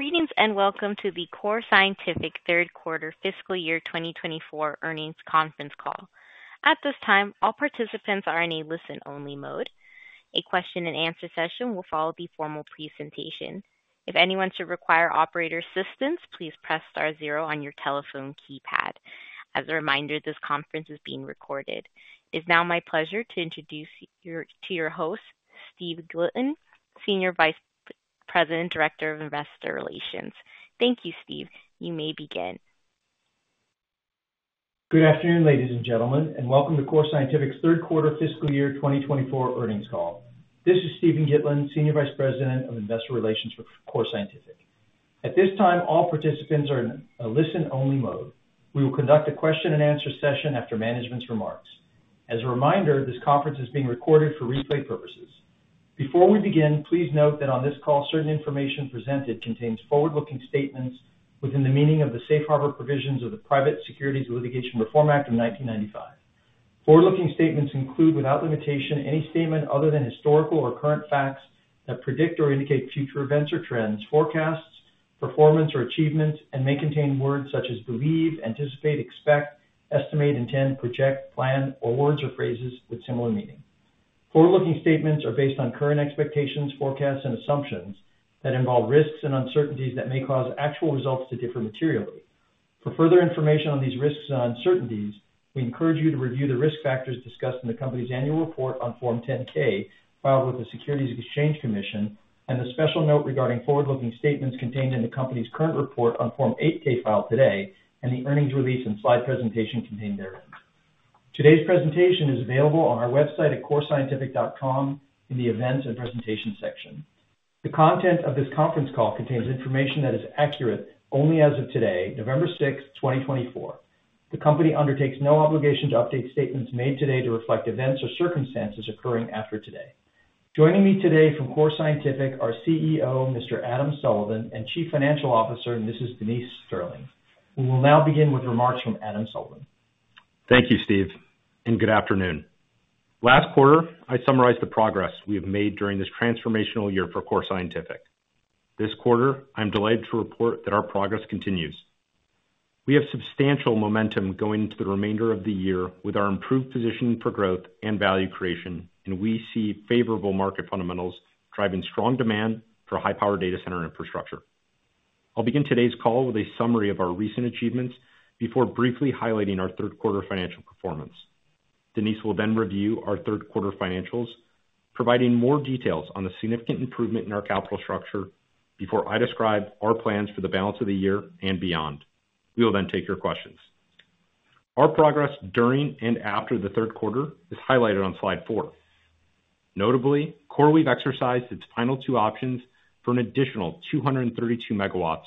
Greetings and welcome to the Core Scientific Third Quarter Fiscal Year 2024 Earnings Conference Call. At this time, all participants are in a listen-only mode. A question-and-answer session will follow the formal presentation. If anyone should require operator assistance, please press star zero on your telephone keypad. As a reminder, this conference is being recorded. It is now my pleasure to introduce your host, Steve Gitlin, Senior Vice President, Director of Investor Relations. Thank you, Steve. You may begin. Good afternoon, ladies and gentlemen, and welcome to Core Scientific's Third Quarter Fiscal Year 2024 Earnings Call. This is Steven Gitlin, Senior Vice President of Investor Relations for Core Scientific. At this time, all participants are in a listen-only mode. We will conduct a question-and-answer session after management's remarks. As a reminder, this conference is being recorded for replay purposes. Before we begin, please note that on this call, certain information presented contains forward-looking statements within the meaning of the Safe Harbor Provisions of the Private Securities Litigation Reform Act of 1995. Forward-looking statements include, without limitation, any statement other than historical or current facts that predict or indicate future events or trends, forecasts, performance, or achievements, and may contain words such as believe, anticipate, expect, estimate, intend, project, plan, or words or phrases with similar meaning. Forward-looking statements are based on current expectations, forecasts, and assumptions that involve risks and uncertainties that may cause actual results to differ materially. For further information on these risks and uncertainties, we encourage you to review the risk factors discussed in the company's annual report on Form 10-K filed with the Securities and Exchange Commission and the special note regarding forward-looking statements contained in the company's current report on Form 8-K filed today and the earnings release and slide presentation contained therein. Today's presentation is available on our website at corescientific.com in the Events and Presentations section. The content of this conference call contains information that is accurate only as of today, November 6, 2024. The company undertakes no obligation to update statements made today to reflect events or circumstances occurring after today. Joining me today from Core Scientific are CEO, Mr. Adam Sullivan and Chief Financial Officer, Mrs. Denise Sterling. We will now begin with remarks from Adam Sullivan. Thank you, Steve, and good afternoon. Last quarter, I summarized the progress we have made during this transformational year for Core Scientific. This quarter, I'm delighted to report that our progress continues. We have substantial momentum going into the remainder of the year with our improved position for growth and value creation, and we see favorable market fundamentals driving strong demand for high-powered data center infrastructure. I'll begin today's call with a summary of our recent achievements before briefly highlighting our third quarter financial performance. Denise will then review our third quarter financials, providing more details on the significant improvement in our capital structure before I describe our plans for the balance of the year and beyond. We will then take your questions. Our progress during and after the third quarter is highlighted on slide four. Notably, CoreWeave exercised its final two options for an additional 232 MW,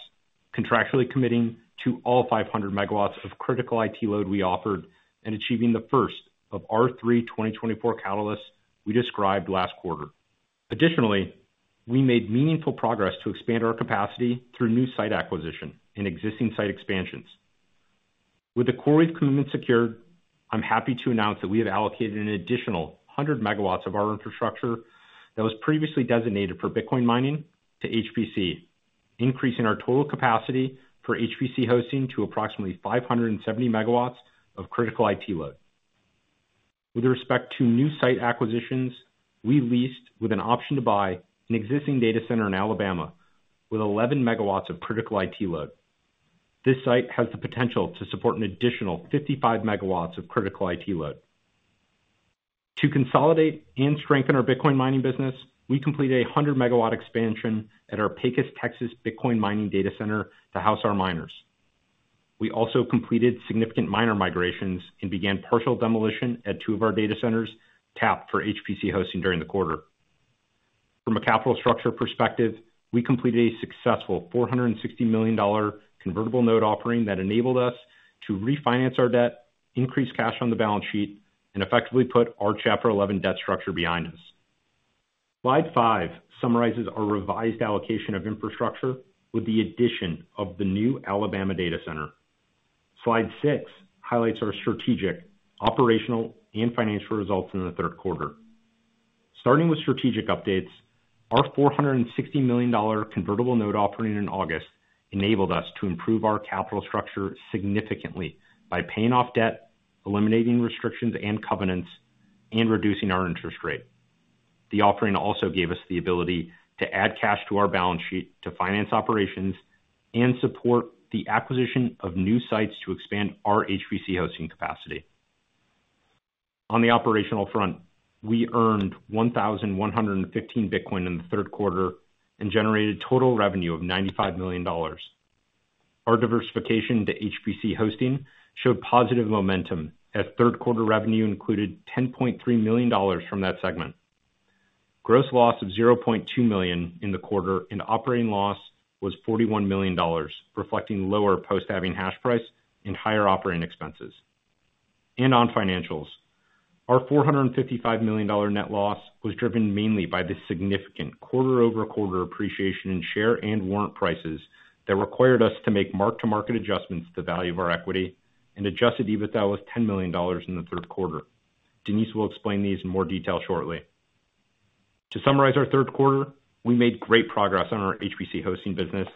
contractually committing to all 500 MW of critical IT load we offered and achieving the first of our three 2024 catalysts we described last quarter. Additionally, we made meaningful progress to expand our capacity through new site acquisition and existing site expansions. With the CoreWeave commitment secured, I'm happy to announce that we have allocated an additional 100 MW of our infrastructure that was previously designated for Bitcoin mining to HPC, increasing our total capacity for HPC hosting to approximately 570 MW of critical IT load. With respect to new site acquisitions, we leased with an option to buy an existing data center in Alabama with 11 MW of critical IT load. This site has the potential to support an additional 55 MW of critical IT load. To consolidate and strengthen our Bitcoin mining business, we completed a 100 MW expansion at our Pecos, Texas, Bitcoin mining data center to house our miners. We also completed significant miner migrations and began partial demolition at two of our data centers tapped for HPC hosting during the quarter. From a capital structure perspective, we completed a successful $460 million convertible note offering that enabled us to refinance our debt, increase cash on the balance sheet, and effectively put our Chapter 11 debt structure behind us. Slide five summarizes our revised allocation of infrastructure with the addition of the new Alabama data center. Slide six highlights our strategic, operational, and financial results in the third quarter. Starting with strategic updates, our $460 million convertible note offering in August enabled us to improve our capital structure significantly by paying off debt, eliminating restrictions and covenants, and reducing our interest rate. The offering also gave us the ability to add cash to our balance sheet to finance operations and support the acquisition of new sites to expand our HPC hosting capacity. On the operational front, we earned 1,115 Bitcoin in the third quarter and generated total revenue of $95 million. Our diversification to HPC hosting showed positive momentum as third quarter revenue included $10.3 million from that segment. Gross loss of $0.2 million in the quarter and operating loss was $41 million, reflecting lower post-halving hash price and higher operating expenses. And on financials, our $455 million net loss was driven mainly by the significant quarter-over-quarter appreciation in share and warrant prices that required us to make mark-to-market adjustments to the value of our equity, and adjusted EBITDA was $10 million in the third quarter. Denise will explain these in more detail shortly. To summarize our third quarter, we made great progress on our HPC hosting business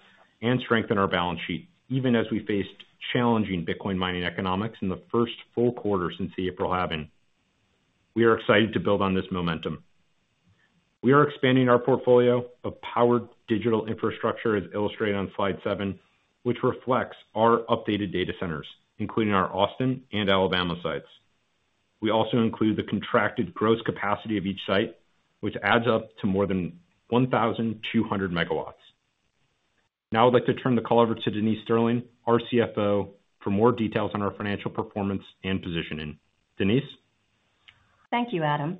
and strengthened our balance sheet even as we faced challenging Bitcoin mining economics in the first full quarter since the April halving. We are excited to build on this momentum. We are expanding our portfolio of powered digital infrastructure, as illustrated on slide seven, which reflects our updated data centers, including our Austin and Alabama sites. We also include the contracted gross capacity of each site, which adds up to more than 1,200 MW. Now I'd like to turn the call over to Denise Sterling, our CFO, for more details on our financial performance and positioning. Denise? Thank you, Adam.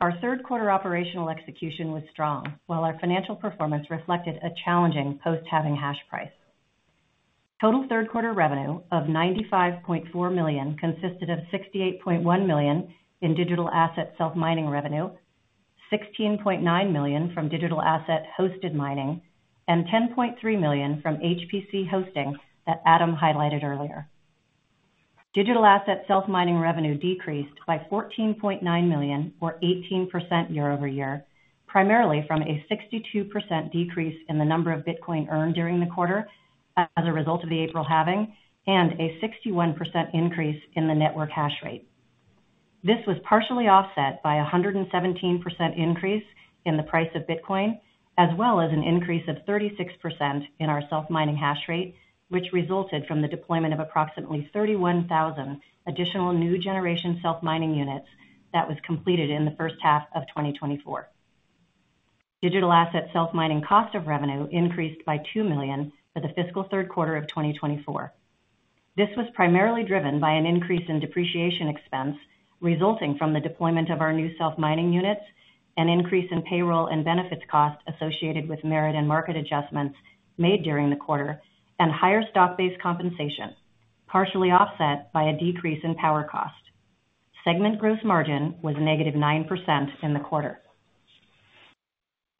Our third quarter operational execution was strong, while our financial performance reflected a challenging post-halving hash price. Total third quarter revenue of $95.4 million consisted of $68.1 million in digital asset self-mining revenue, $16.9 million from digital asset hosted mining, and $10.3 million from HPC hosting that Adam highlighted earlier. Digital asset self-mining revenue decreased by $14.9 million, or 18% year-over-year, primarily from a 62% decrease in the number of Bitcoin earned during the quarter as a result of the April halving and a 61% increase in the network hash rate. This was partially offset by a 117% increase in the price of Bitcoin, as well as an increase of 36% in our self-mining hash rate, which resulted from the deployment of approximately 31,000 additional new generation self-mining units that was completed in the first half of 2024. Digital asset self-mining cost of revenue increased by $2 million for the fiscal third quarter of 2024. This was primarily driven by an increase in depreciation expense resulting from the deployment of our new self-mining units, an increase in payroll and benefits cost associated with merit and market adjustments made during the quarter, and higher stock-based compensation, partially offset by a decrease in power cost. Segment gross margin was -9% in the quarter.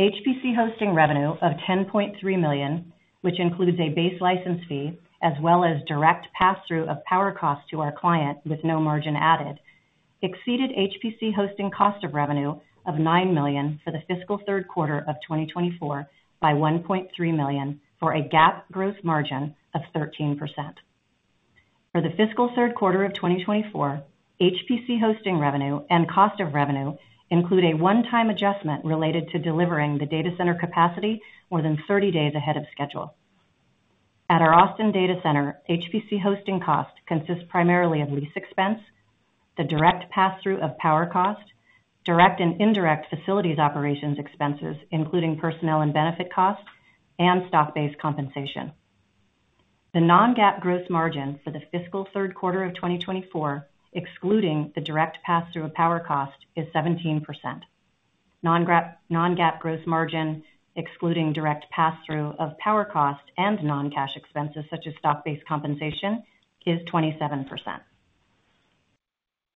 HPC hosting revenue of $10.3 million, which includes a base license fee as well as direct pass-through of power cost to our client with no margin added, exceeded HPC hosting cost of revenue of $9 million for the fiscal third quarter of 2024 by $1.3 million for an HPC gross margin of 13%. For the fiscal third quarter of 2024, HPC hosting revenue and cost of revenue include a one-time adjustment related to delivering the data center capacity more than 30 days ahead of schedule. At our Austin data center, HPC hosting cost consists primarily of lease expense, the direct pass-through of power cost, direct and indirect facilities operations expenses, including personnel and benefit cost, and stock-based compensation. The non-GAAP gross margin for the fiscal third quarter of 2024, excluding the direct pass-through of power cost, is 17%. Non-GAAP gross margin, excluding direct pass-through of power cost and non-cash expenses such as stock-based compensation, is 27%.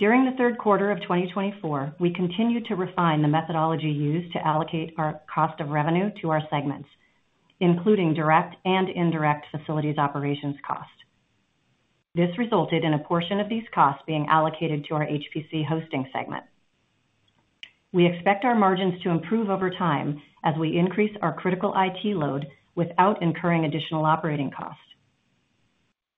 During the third quarter of 2024, we continued to refine the methodology used to allocate our cost of revenue to our segments, including direct and indirect facilities operations cost. This resulted in a portion of these costs being allocated to our HPC hosting segment. We expect our margins to improve over time as we increase our critical IT load without incurring additional operating cost.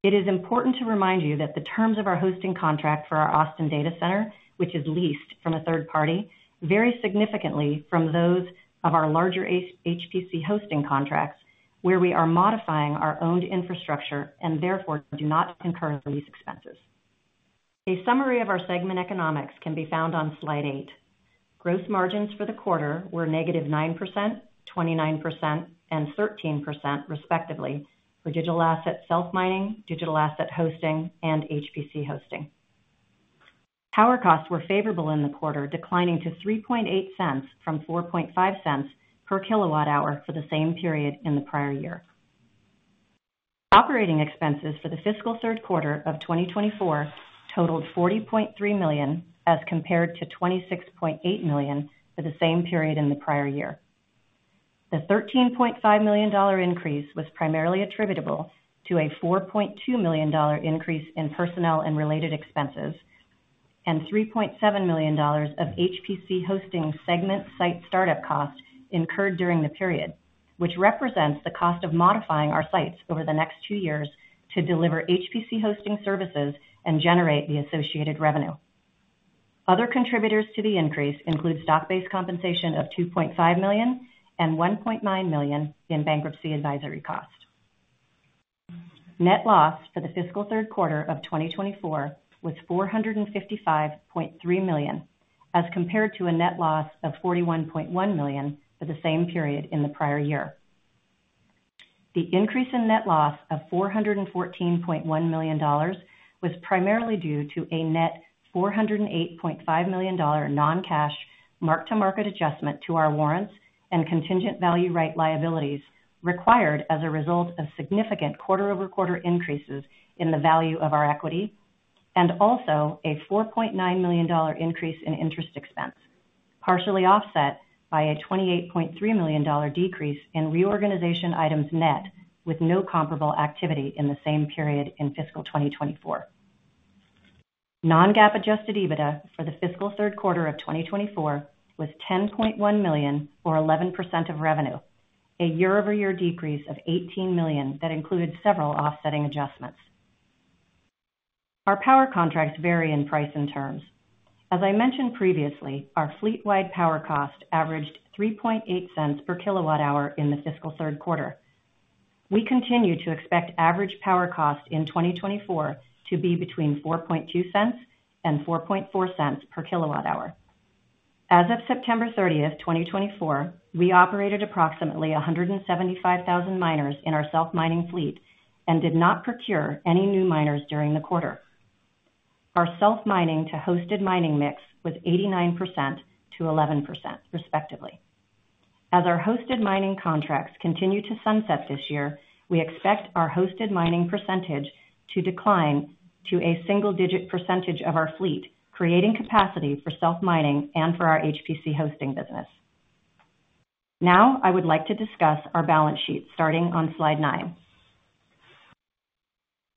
It is important to remind you that the terms of our hosting contract for our Austin data center, which is leased from a third party, vary significantly from those of our larger HPC hosting contracts where we are modifying our owned infrastructure and therefore do not incur lease expenses. A summary of our segment economics can be found on slide eight. Gross margins for the quarter were -9%, 29%, and 13%, respectively, for digital asset self-mining, digital asset hosting, and HPC hosting. Power costs were favorable in the quarter, declining to $3.80 from $4.50 per kilowatt-hour for the same period in the prior year. Operating expenses for the fiscal third quarter of 2024 totaled $40.3 million as compared to $26.8 million for the same period in the prior year. The $13.5 million increase was primarily attributable to a $4.2 million increase in personnel and related expenses and $3.7 million of HPC hosting segment site startup cost incurred during the period, which represents the cost of modifying our sites over the next two years to deliver HPC hosting services and generate the associated revenue. Other contributors to the increase include stock-based compensation of $2.5 million and $1.9 million in bankruptcy advisory cost. Net loss for the fiscal third quarter of 2024 was $455.3 million as compared to a net loss of $41.1 million for the same period in the prior year. The increase in net loss of $414.1 million was primarily due to a net $408.5 million non-cash mark-to-market adjustment to our warrants and contingent value right liabilities required as a result of significant quarter-over-quarter increases in the value of our equity and also a $4.9 million increase in interest expense, partially offset by a $28.3 million decrease in reorganization items net with no comparable activity in the same period in fiscal 2024. Non-GAAP adjusted EBITDA for the fiscal third quarter of 2024 was $10.1 million, or 11% of revenue, a year-over-year decrease of $18 million that included several offsetting adjustments. Our power contracts vary in price and terms. As I mentioned previously, our fleet-wide power cost averaged $3.80 per kilowatt-hour in the fiscal third quarter. We continue to expect average power cost in 2024 to be between $4.20 and $4.40 per kilowatt-hour. As of September 30th, 2024, we operated approximately 175,000 miners in our self-mining fleet and did not procure any new miners during the quarter. Our self-mining to hosted mining mix was 89% to 11%, respectively. As our hosted mining contracts continue to sunset this year, we expect our hosted mining percentage to decline to a single-digit percentage of our fleet, creating capacity for self-mining and for our HPC hosting business. Now I would like to discuss our balance sheet starting on slide nine.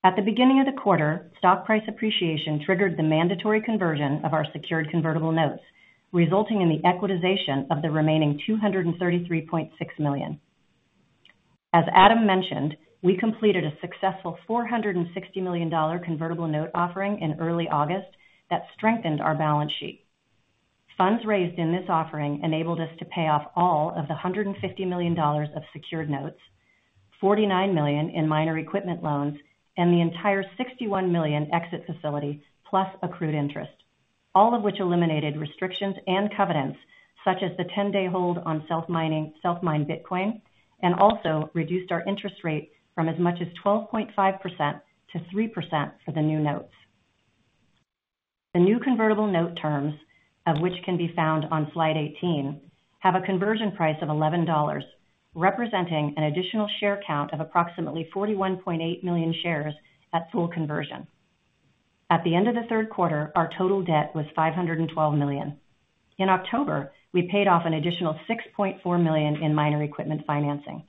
At the beginning of the quarter, stock price appreciation triggered the mandatory conversion of our secured convertible notes, resulting in the equitization of the remaining $233.6 million. As Adam mentioned, we completed a successful $460 million convertible note offering in early August that strengthened our balance sheet. Funds raised in this offering enabled us to pay off all of the $150 million of secured notes, $49 million in minor equipment loans, and the entire $61 million exit facility plus accrued interest, all of which eliminated restrictions and covenants such as the 10-day hold on self-mined Bitcoin and also reduced our interest rate from as much as 12.5% to 3% for the new notes. The new convertible note terms, of which can be found on slide 18, have a conversion price of $11, representing an additional share count of approximately 41.8 million shares at full conversion. At the end of the third quarter, our total debt was $512 million. In October, we paid off an additional $6.4 million in minor equipment financing.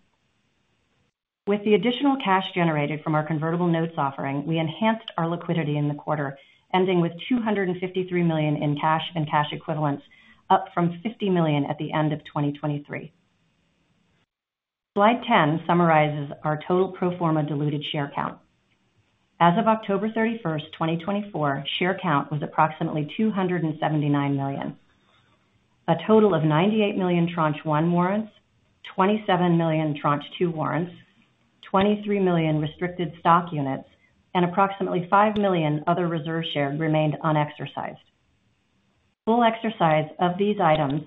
With the additional cash generated from our convertible notes offering, we enhanced our liquidity in the quarter, ending with $253 million in cash and cash equivalents, up from $50 million at the end of 2023. Slide 10 summarizes our total pro forma diluted share count. As of October 31st, 2024, share count was approximately 279 million. A total of 98 million Tranche 1 warrants, 27 million Tranche 2 warrants, 23 million restricted stock units, and approximately 5 million other reserve shares remained unexercised. Full exercise of these items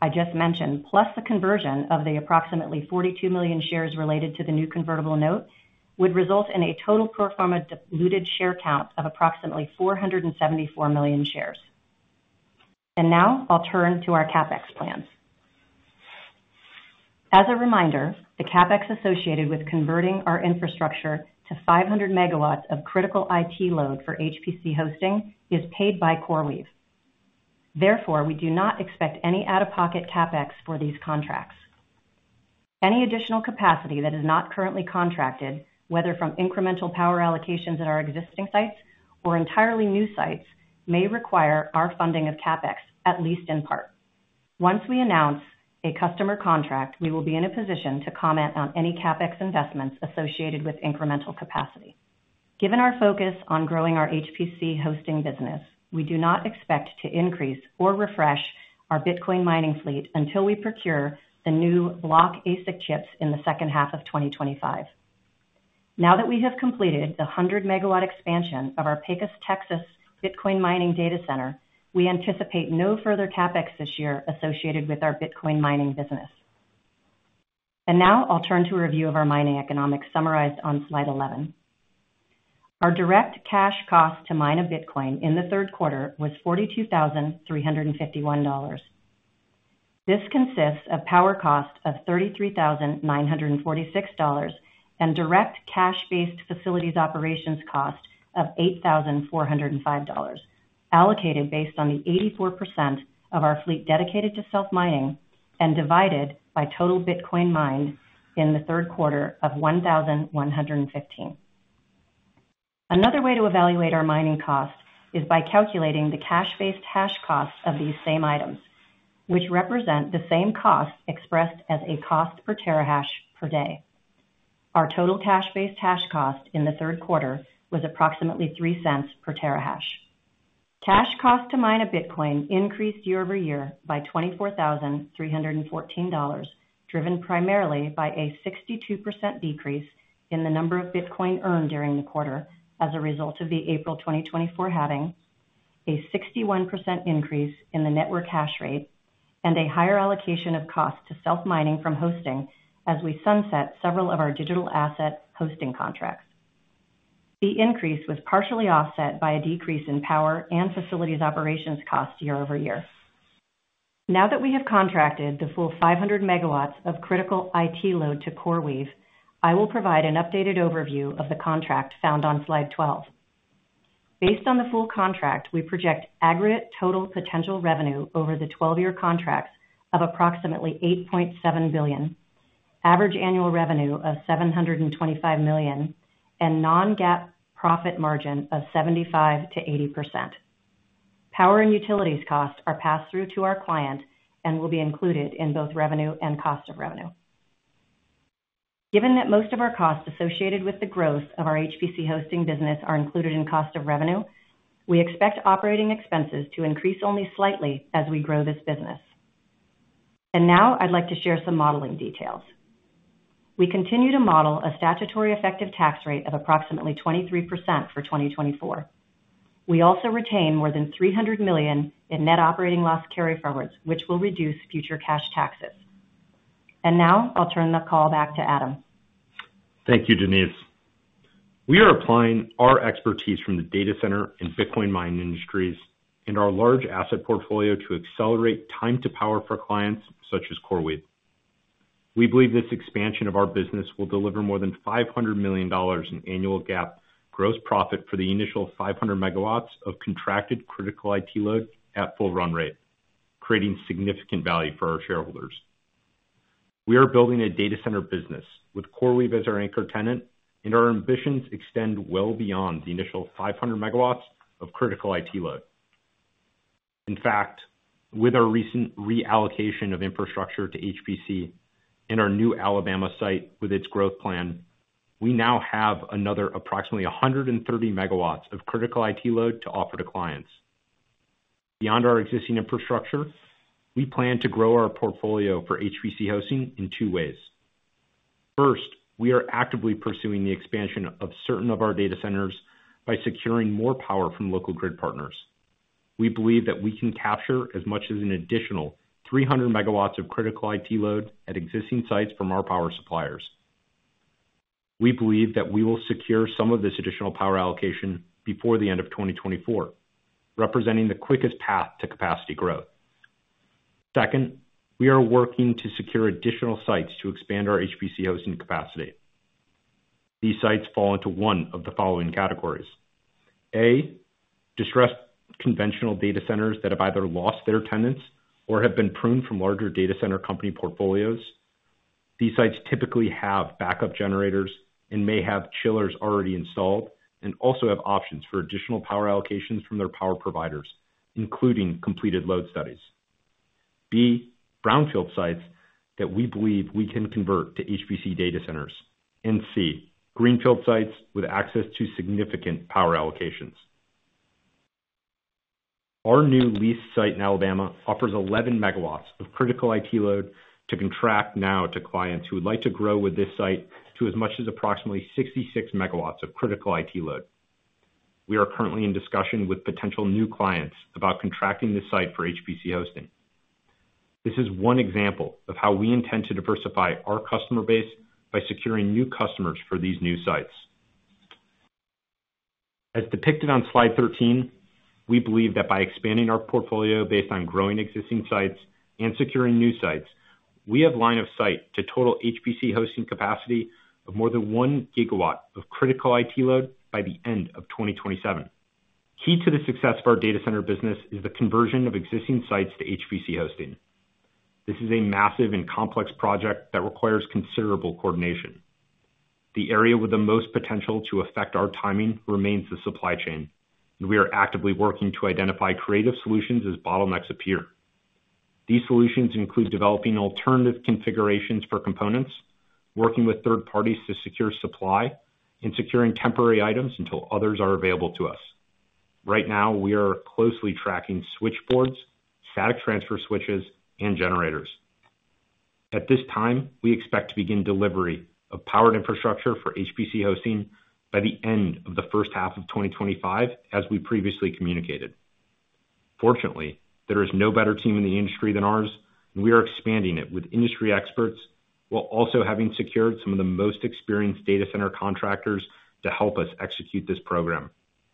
I just mentioned, plus the conversion of the approximately 42 million shares related to the new convertible note, would result in a total pro forma diluted share count of approximately 474 million shares. Now I'll turn to our CapEx plans. As a reminder, the CapEx associated with converting our infrastructure to 500 MW of critical IT load for HPC hosting is paid by CoreWeave. Therefore, we do not expect any out-of-pocket CapEx for these contracts. Any additional capacity that is not currently contracted, whether from incremental power allocations at our existing sites or entirely new sites, may require our funding of CapEx, at least in part. Once we announce a customer contract, we will be in a position to comment on any CapEx investments associated with incremental capacity. Given our focus on growing our HPC hosting business, we do not expect to increase or refresh our Bitcoin mining fleet until we procure the new Block ASIC chips in the second half of 2025. Now that we have completed the 100 MW expansion of our Pecos, Texas, Bitcoin mining data center, we anticipate no further CapEx this year associated with our Bitcoin mining business, and now I'll turn to a review of our mining economics summarized on slide 11. Our direct cash cost to mine a Bitcoin in the third quarter was $42,351. This consists of power cost of $33,946 and direct cash-based facilities operations cost of $8,405, allocated based on the 84% of our fleet dedicated to self-mining and divided by total Bitcoin mined in the third quarter of 1,115. Another way to evaluate our mining cost is by calculating the cash-based hash cost of these same items, which represent the same cost expressed as a cost per terahash per day. Our total cash-based hash cost in the third quarter was approximately $0.03 per terahash. Cash cost to mine a Bitcoin increased year-over-year by $24,314, driven primarily by a 62% decrease in the number of Bitcoin earned during the quarter as a result of the April 2024 halving, a 61% increase in the network hash rate, and a higher allocation of cost to self-mining from hosting as we sunset several of our digital asset hosting contracts. The increase was partially offset by a decrease in power and facilities operations cost year-over-year. Now that we have contracted the full 500 MW of critical IT load to CoreWeave, I will provide an updated overview of the contract found on slide 12. Based on the full contract, we project aggregate total potential revenue over the 12-year contracts of approximately $8.7 billion, average annual revenue of $725 million, and non-GAAP profit margin of 75%-80%. Power and utilities costs are passed through to our client and will be included in both revenue and cost of revenue. Given that most of our costs associated with the growth of our HPC hosting business are included in cost of revenue, we expect operating expenses to increase only slightly as we grow this business. And now I'd like to share some modeling details. We continue to model a statutory effective tax rate of approximately 23% for 2024. We also retain more than $300 million in net operating loss carryforwards, which will reduce future cash taxes. And now I'll turn the call back to Adam. Thank you, Denise. We are applying our expertise from the data center and Bitcoin mining industries and our large asset portfolio to accelerate time to power for clients such as CoreWeave. We believe this expansion of our business will deliver more than $500 million in annual GAAP gross profit for the initial 500 MW of contracted critical IT load at full run rate, creating significant value for our shareholders. We are building a data center business with CoreWeave as our anchor tenant, and our ambitions extend well beyond the initial 500 MW of critical IT load. In fact, with our recent reallocation of infrastructure to HPC and our new Alabama site with its growth plan, we now have another approximately 130 MW of critical IT load to offer to clients. Beyond our existing infrastructure, we plan to grow our portfolio for HPC hosting in two ways. First, we are actively pursuing the expansion of certain of our data centers by securing more power from local grid partners. We believe that we can capture as much as an additional 300 MW of critical IT load at existing sites from our power suppliers. We believe that we will secure some of this additional power allocation before the end of 2024, representing the quickest path to capacity growth. Second, we are working to secure additional sites to expand our HPC hosting capacity. These sites fall into one of the following categories: A, distressed conventional data centers that have either lost their tenants or have been pruned from larger data center company portfolios. These sites typically have backup generators and may have chillers already installed and also have options for additional power allocations from their power providers, including completed load studies. B, brownfield sites that we believe we can convert to HPC data centers. And C, greenfield sites with access to significant power allocations. Our new leased site in Alabama offers 11 MW of critical IT load to contract now to clients who would like to grow with this site to as much as approximately 66 MW of critical IT load. We are currently in discussion with potential new clients about contracting this site for HPC hosting. This is one example of how we intend to diversify our customer base by securing new customers for these new sites. As depicted on slide 13, we believe that by expanding our portfolio based on growing existing sites and securing new sites, we have line of sight to total HPC hosting capacity of more than 1 GW of critical IT load by the end of 2027. Key to the success of our data center business is the conversion of existing sites to HPC hosting. This is a massive and complex project that requires considerable coordination. The area with the most potential to affect our timing remains the supply chain, and we are actively working to identify creative solutions as bottlenecks appear. These solutions include developing alternative configurations for components, working with third parties to secure supply, and securing temporary items until others are available to us. Right now, we are closely tracking switchboards, static transfer switches, and generators. At this time, we expect to begin delivery of powered infrastructure for HPC hosting by the end of the first half of 2025, as we previously communicated. Fortunately, there is no better team in the industry than ours, and we are expanding it with industry experts while also having secured some of the most experienced data center contractors to help us execute this program.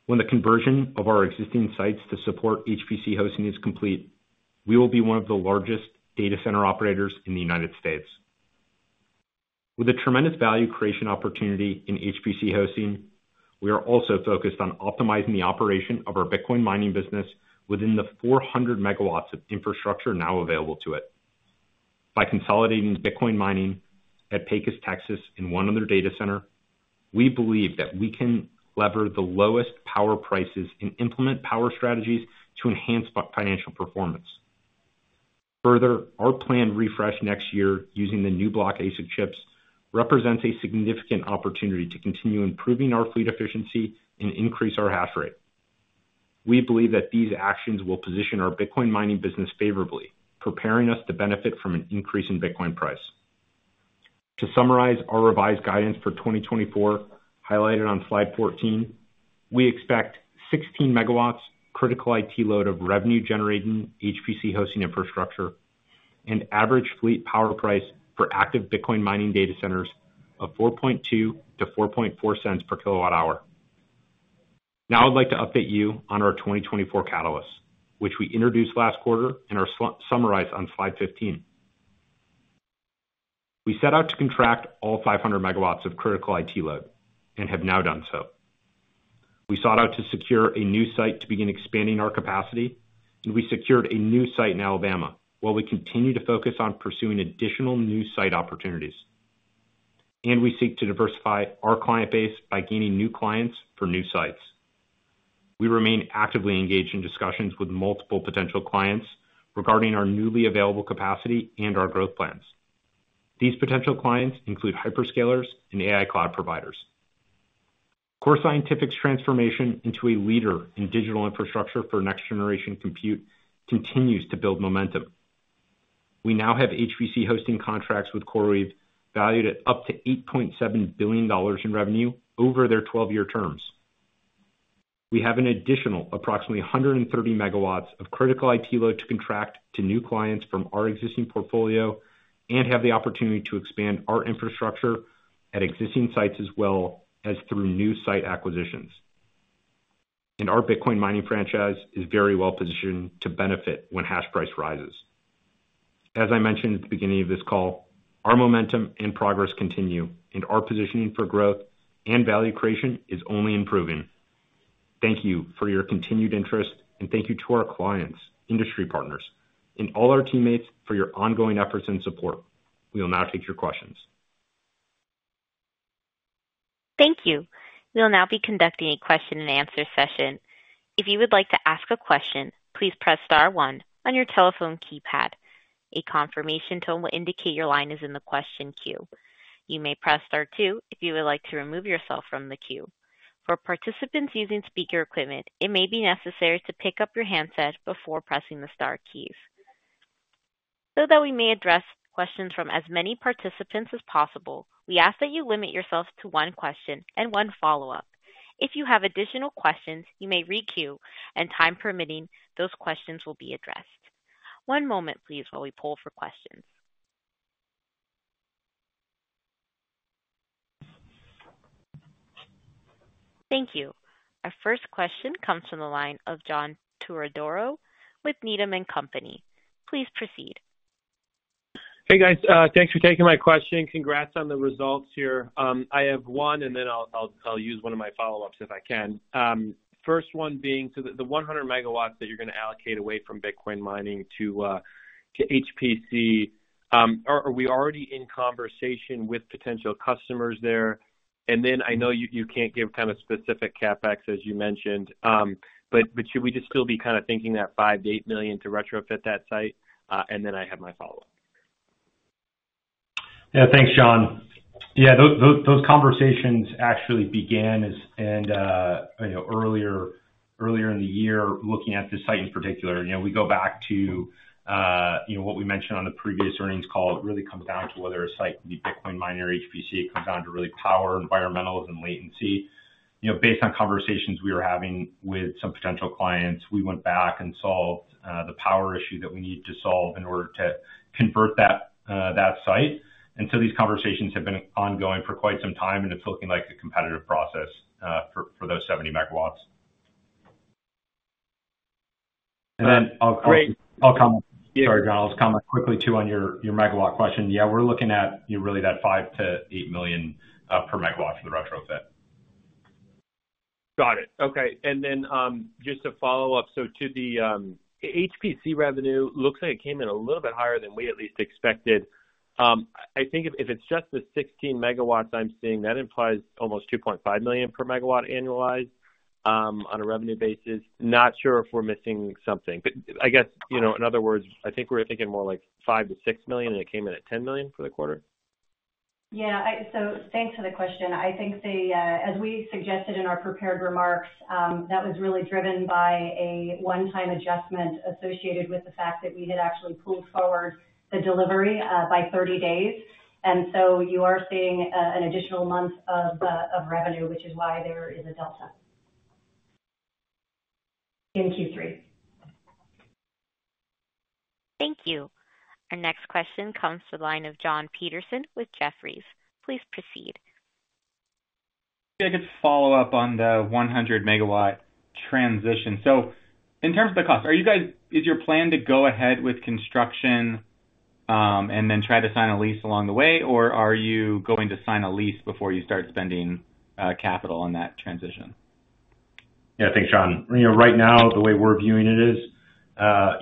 When the conversion of our existing sites to support HPC hosting is complete, we will be one of the largest data center operators in the United States. With a tremendous value creation opportunity in HPC hosting, we are also focused on optimizing the operation of our Bitcoin mining business within the 400 MW of infrastructure now available to it. By consolidating Bitcoin mining at Pecos, Texas, and one other data center, we believe that we can leverage the lowest power prices and implement power strategies to enhance financial performance. Further, our planned refresh next year using the new Block ASIC chips represents a significant opportunity to continue improving our fleet efficiency and increase our hash rate. We believe that these actions will position our Bitcoin mining business favorably, preparing us to benefit from an increase in Bitcoin price. To summarize our revised guidance for 2024, highlighted on slide 14, we expect 16 MW critical IT load of revenue-generating HPC hosting infrastructure and average fleet power price for active Bitcoin mining data centers of $4.20-$4.40 per kilowatt hour. Now I'd like to update you on our 2024 catalysts, which we introduced last quarter and are summarized on slide 15. We set out to contract all 500 MW of critical IT load and have now done so. We sought out to secure a new site to begin expanding our capacity, and we secured a new site in Alabama while we continue to focus on pursuing additional new site opportunities, and we seek to diversify our client base by gaining new clients for new sites. We remain actively engaged in discussions with multiple potential clients regarding our newly available capacity and our growth plans. These potential clients include hyperscalers and AI cloud providers. Core Scientific's transformation into a leader in digital infrastructure for next-generation compute continues to build momentum. We now have HPC hosting contracts with CoreWeave valued at up to $8.7 billion in revenue over their 12-year terms. We have an additional approximately 130 MW of critical IT load to contract to new clients from our existing portfolio and have the opportunity to expand our infrastructure at existing sites as well as through new site acquisitions, and our Bitcoin mining franchise is very well positioned to benefit when hash price rises. As I mentioned at the beginning of this call, our momentum and progress continue, and our positioning for growth and value creation is only improving. Thank you for your continued interest, and thank you to our clients, industry partners, and all our teammates for your ongoing efforts and support. We will now take your questions. Thank you. We'll now be conducting a question-and-answer session. If you would like to ask a question, please press star one on your telephone keypad. A confirmation tone will indicate your line is in the question queue. You may press star two if you would like to remove yourself from the queue. For participants using speaker equipment, it may be necessary to pick up your handset before pressing the star keys. So that we may address questions from as many participants as possible, we ask that you limit yourself to one question and one follow-up. If you have additional questions, you may re-queue, and time permitting, those questions will be addressed. One moment, please, while we pull for questions. Thank you. Our first question comes from the line of John Todaro with Needham & Company. Please proceed. Hey, guys. Thanks for taking my question. Congrats on the results here. I have one, and then I'll use one of my follow-ups if I can. First one being, so the 100 MW that you're going to allocate away from Bitcoin mining to HPC, are we already in conversation with potential customers there? And then I know you can't give kind of specific CapEx, as you mentioned, but should we just still be kind of thinking that $5 million-$8 million to retrofit that site? And then I have my follow-up. Yeah, thanks, John. Yeah, those conversations actually began earlier in the year looking at this site in particular. We go back to what we mentioned on the previous earnings call. It really comes down to whether a site can be Bitcoin mining or HPC. It comes down to really power, environmentals, and latency. Based on conversations we were having with some potential clients, we went back and solved the power issue that we needed to solve in order to convert that site. And so these conversations have been ongoing for quite some time, and it's looking like a competitive process for those 70 MW. And then I'll comment. Sorry, John, I'll just comment quickly too on your megawatt question. Yeah, we're looking at really that $5 million-$8 million per megawatt for the retrofit. Got it. Okay. And then just to follow up, so to the HPC revenue looks like it came in a little bit higher than we at least expected. I think if it's just the 16 MW I'm seeing, that implies almost $2.5 million per megawatt annualized on a revenue basis. Not sure if we're missing something. But I guess, in other words, I think we're thinking more like $5 million-$6 million, and it came in at $10 million for the quarter? Yeah. So thanks for the question. I think, as we suggested in our prepared remarks, that was really driven by a one-time adjustment associated with the fact that we had actually pulled forward the delivery by 30 days. And so you are seeing an additional month of revenue, which is why there is a delta in Q3. Thank you. Our next question comes to the line of Jon Petersen with Jefferies. Please proceed. I guess follow-up on the 100 MW transition. So in terms of the cost, is your plan to go ahead with construction and then try to sign a lease along the way, or are you going to sign a lease before you start spending capital on that transition? Yeah, thanks, Jon. Right now, the way we're viewing it is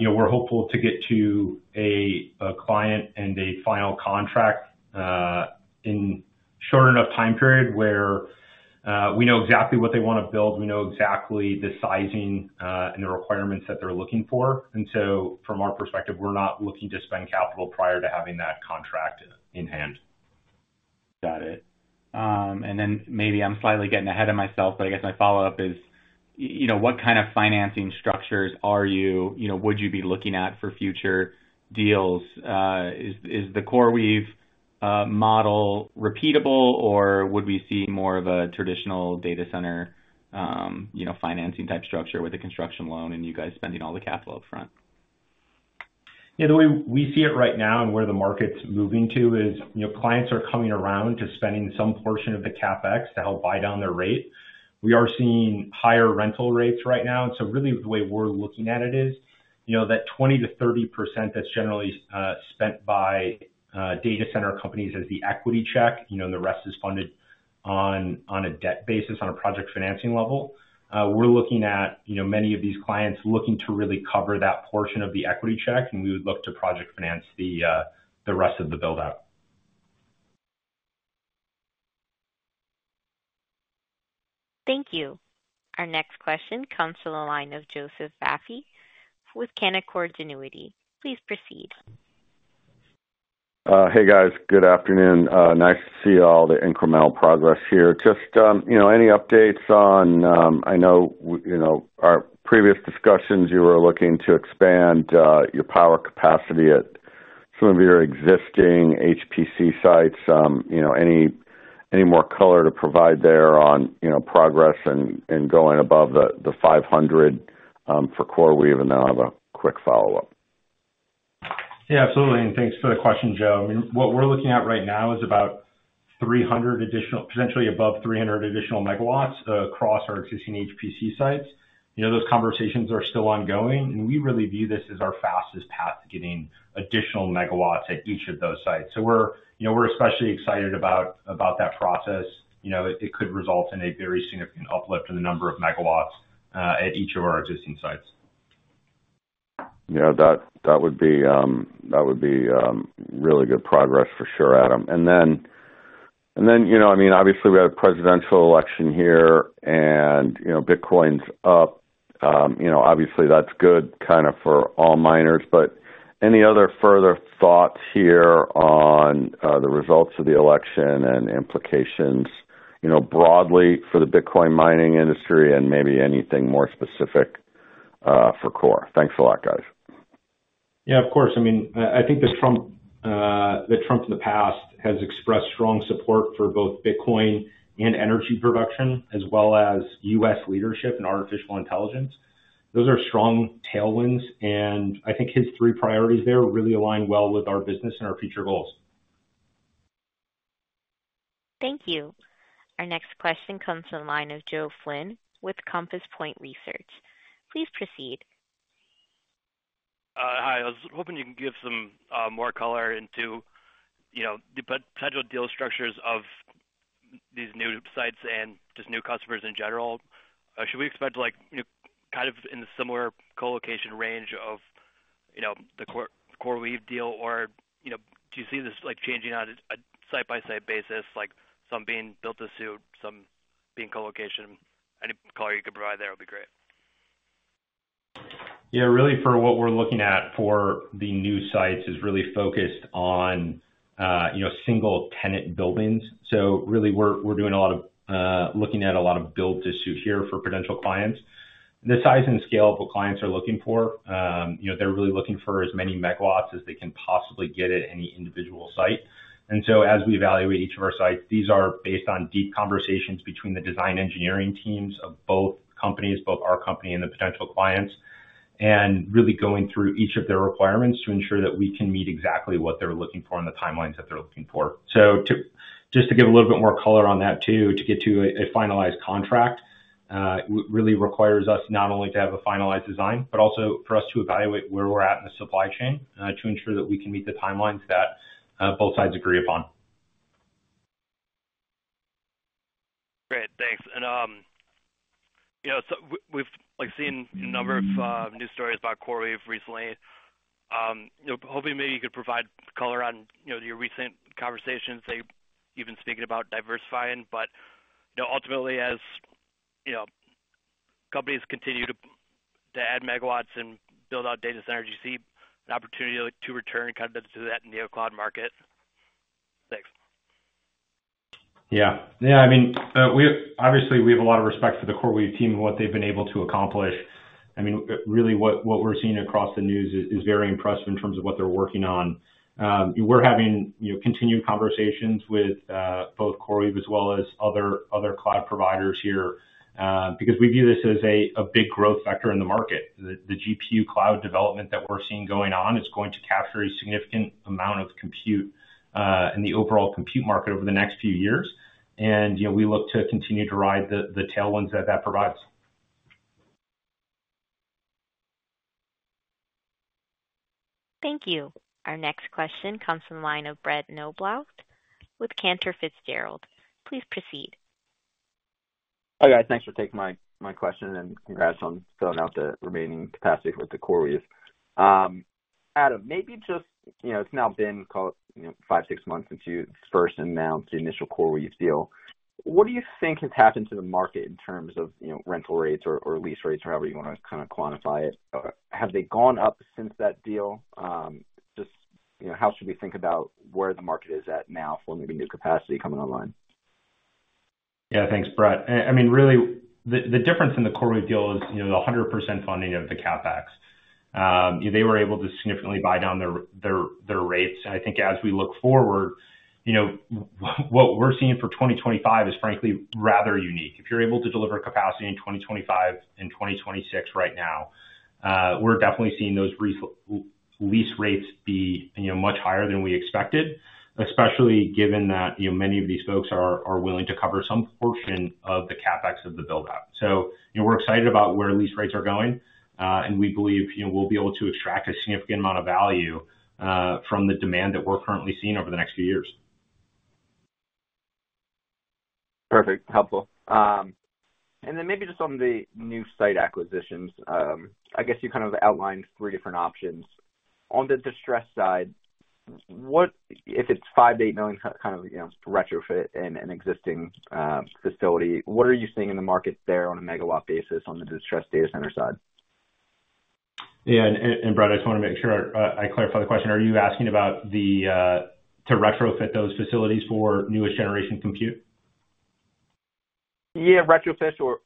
we're hopeful to get to a client and a final contract in a short enough time period where we know exactly what they want to build. We know exactly the sizing and the requirements that they're looking for. And so from our perspective, we're not looking to spend capital prior to having that contract in hand. Got it. And then maybe I'm slightly getting ahead of myself, but I guess my follow-up is, what kind of financing structures would you be looking at for future deals? Is the CoreWeave model repeatable, or would we see more of a traditional data center financing type structure with a construction loan and you guys spending all the capital upfront? Yeah, the way we see it right now and where the market's moving to is clients are coming around to spending some portion of the CapEx to help buy down their rate. We are seeing higher rental rates right now. And so really, the way we're looking at it is that 20%-30% that's generally spent by data center companies as the equity check, and the rest is funded on a debt basis on a project financing level. We're looking at many of these clients looking to really cover that portion of the equity check, and we would look to project finance the rest of the build-out. Thank you. Our next question comes to the line of Joseph Vafi with Canaccord Genuity. Please proceed. Hey, guys. Good afternoon. Nice to see all the incremental progress here. Just any updates? On, I know our previous discussions, you were looking to expand your power capacity at some of your existing HPC sites. Any more color to provide there on progress and going above the 500 MW for CoreWeave? And then I'll have a quick follow-up. Yeah, absolutely. And thanks for the question, Joe. I mean, what we're looking at right now is about 300 additional, potentially above 300 additional megawatts across our existing HPC sites. Those conversations are still ongoing, and we really view this as our fastest path to getting additional megawatts at each of those sites. So we're especially excited about that process. It could result in a very significant uplift in the number of megawatts at each of our existing sites. Yeah, that would be really good progress for sure, Adam. And then, I mean, obviously, we have a presidential election here, and Bitcoin's up. Obviously, that's good, kind of, for all miners. But any other further thoughts here on the results of the election and implications broadly for the Bitcoin mining industry and maybe anything more specific for Core? Thanks a lot, guys. Yeah, of course. I mean, I think that Trump in the past has expressed strong support for both Bitcoin and energy production as well as U.S. leadership in artificial intelligence. Those are strong tailwinds, and I think his three priorities there really align well with our business and our future goals. Thank you. Our next question comes to the line of Joe Flynn with Compass Point Research. Please proceed. Hi. I was hoping you can give some more color into the potential deal structures of these new sites and just new customers in general. Should we expect kind of in the similar colocation range of the CoreWeave deal, or do you see this changing on a site-by-site basis, like some being built to suit, some being colocation? Any color you can provide there would be great. Yeah, really, for what we're looking at for the new sites is really focused on single-tenant buildings. So really, we're doing a lot of looking at a lot of build-to-suit here for potential clients. The size and scale of what clients are looking for, they're really looking for as many megawatts as they can possibly get at any individual site. And so as we evaluate each of our sites, these are based on deep conversations between the design engineering teams of both companies, both our company and the potential clients, and really going through each of their requirements to ensure that we can meet exactly what they're looking for and the timelines that they're looking for. So just to give a little bit more color on that too, to get to a finalized contract really requires us not only to have a finalized design, but also for us to evaluate where we're at in the supply chain to ensure that we can meet the timelines that both sides agree upon. Great. Thanks. And so we've seen a number of news stories about CoreWeave recently. Hoping maybe you could provide color on your recent conversations. You've been speaking about diversifying, but ultimately, as companies continue to add megawatts and build out data centers, do you see an opportunity to return kind of to that neocloud market? Thanks. Yeah. Yeah. I mean, obviously, we have a lot of respect for the CoreWeave team and what they've been able to accomplish. I mean, really, what we're seeing across the news is very impressive in terms of what they're working on. We're having continued conversations with both CoreWeave as well as other cloud providers here because we view this as a big growth factor in the market. The GPU cloud development that we're seeing going on is going to capture a significant amount of compute in the overall compute market over the next few years. And we look to continue to ride the tailwinds that that provides. Thank you. Our next question comes from the line of Brett Knoblauch with Cantor Fitzgerald. Please proceed. Hi, guys. Thanks for taking my question and congrats on filling out the remaining capacity with the CoreWeave. Adam, maybe just it's now been five, six months since you first announced the initial CoreWeave deal. What do you think has happened to the market in terms of rental rates or lease rates or however you want to kind of quantify it? Have they gone up since that deal? Just how should we think about where the market is at now for maybe new capacity coming online? Yeah, thanks, Brett. I mean, really, the difference in the CoreWeave deal is the 100% funding of the CapEx. They were able to significantly buy down their rates. And I think as we look forward, what we're seeing for 2025 is frankly rather unique. If you're able to deliver capacity in 2025 and 2026 right now, we're definitely seeing those lease rates be much higher than we expected, especially given that many of these folks are willing to cover some portion of the CapEx of the build-out. So we're excited about where lease rates are going, and we believe we'll be able to extract a significant amount of value from the demand that we're currently seeing over the next few years. Perfect. Helpful. And then maybe just on the new site acquisitions, I guess you kind of outlined three different options. On the distressed side, if it's $5 million-$8 million kind of retrofit in an existing facility, what are you seeing in the market there on a megawatt basis on the distressed data center side? Yeah. And, Brett, I just want to make sure I clarify the question. Are you asking about to retrofit those facilities for newest generation compute? Yeah, retrofit or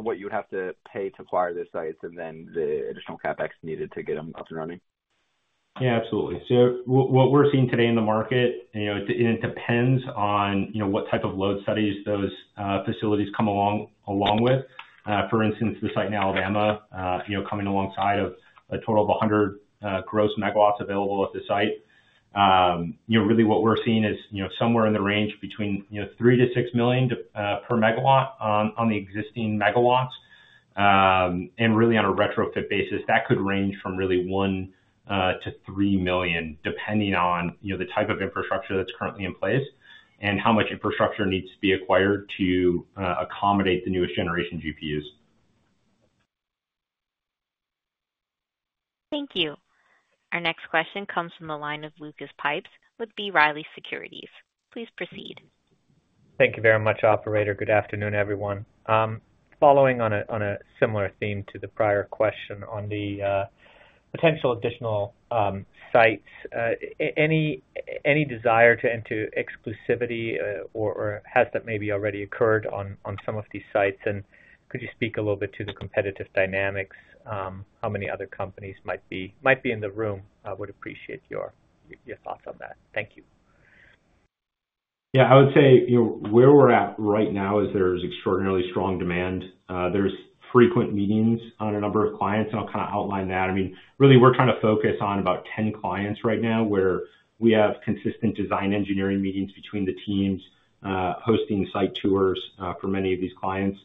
what you would have to pay to acquire the sites and then the additional CapEx needed to get them up and running? Yeah, absolutely. So what we're seeing today in the market, it depends on what type of load studies those facilities come along with. For instance, the site in Alabama coming alongside of a total of 100 gross megawatts available at the site. Really, what we're seeing is somewhere in the range between $3 million-$6 million per megawatt on the existing megawatts. And really, on a retrofit basis, that could range from really $1 million-$3 million, depending on the type of infrastructure that's currently in place and how much infrastructure needs to be acquired to accommodate the newest generation GPUs. Thank you. Our next question comes from the line of Lucas Pipes with B. Riley Securities. Please proceed. Thank you very much, operator. Good afternoon, everyone. Following on a similar theme to the prior question on the potential additional sites, any desire to enter exclusivity or has that maybe already occurred on some of these sites? And could you speak a little bit to the competitive dynamics? How many other companies might be in the room? I would appreciate your thoughts on that. Thank you. Yeah. I would say where we're at right now is there is extraordinarily strong demand. There's frequent meetings on a number of clients, and I'll kind of outline that. I mean, really, we're trying to focus on about 10 clients right now where we have consistent design engineering meetings between the teams hosting site tours for many of these clients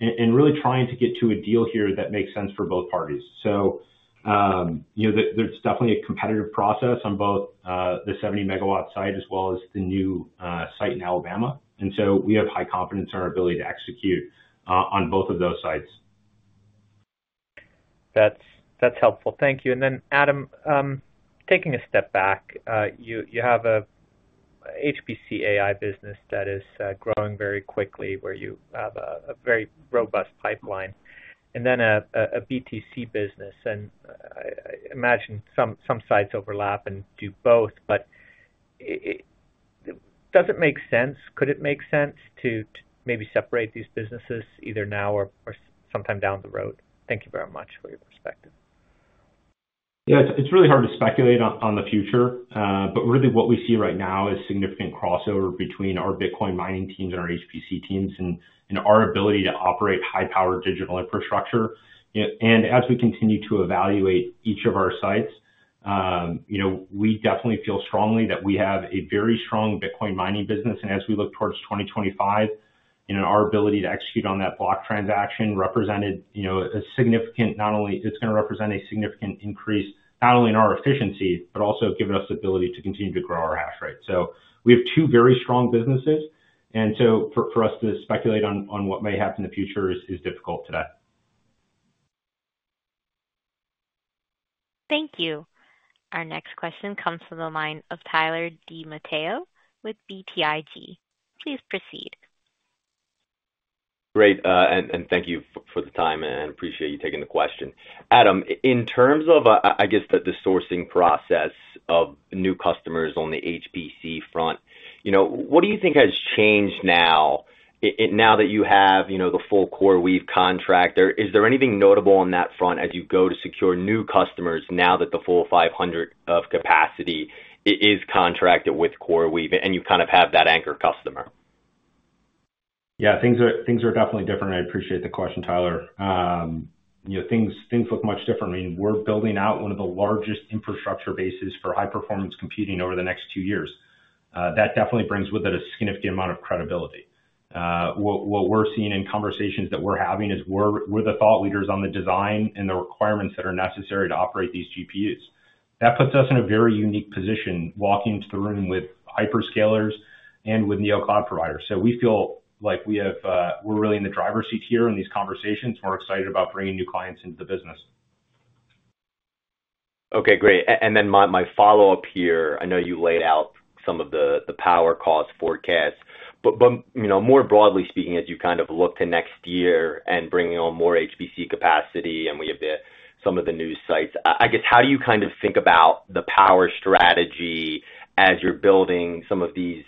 and really trying to get to a deal here that makes sense for both parties, so there's definitely a competitive process on both the 70 MW site as well as the new site in Alabama, and so we have high confidence in our ability to execute on both of those sites. That's helpful. Thank you, and then, Adam, taking a step back, you have an HPC AI business that is growing very quickly where you have a very robust pipeline and then a BTC business, and I imagine some sites overlap and do both, but does it make sense? Could it make sense to maybe separate these businesses either now or sometime down the road? Thank you very much for your perspective. Yeah. It's really hard to speculate on the future, but really, what we see right now is significant crossover between our Bitcoin mining teams and our HPC teams and our ability to operate high-powered digital infrastructure. And as we continue to evaluate each of our sites, we definitely feel strongly that we have a very strong Bitcoin mining business. And as we look towards 2025, our ability to execute on that Block transaction represented a significant, not only it's going to represent a significant increase not only in our efficiency, but also give us the ability to continue to grow our hash rate. So we have two very strong businesses. And so for us to speculate on what may happen in the future is difficult today. Thank you. Our next question comes from the line of Tyler DiMatteo with BTIG. Please proceed. Great. And thank you for the time, and I appreciate you taking the question. Adam, in terms of, I guess, the sourcing process of new customers on the HPC front, what do you think has changed now that you have the full CoreWeave contract? Is there anything notable on that front as you go to secure new customers now that the full 500 MW of capacity is contracted with CoreWeave and you kind of have that anchor customer? Yeah. Things are definitely different. I appreciate the question, Tyler. Things look much different. I mean, we're building out one of the largest infrastructure bases for high-performance computing over the next two years. That definitely brings with it a significant amount of credibility. What we're seeing in conversations that we're having is we're the thought leaders on the design and the requirements that are necessary to operate these GPUs. That puts us in a very unique position walking into the room with hyperscalers and with neocloud providers. So we feel like we're really in the driver's seat here in these conversations. We're excited about bringing new clients into the business. Okay. Great. And then my follow-up here, I know you laid out some of the power cost forecasts. But more broadly speaking, as you kind of look to next year and bringing on more HPC capacity and we have some of the new sites, I guess, how do you kind of think about the power strategy as you're building some of these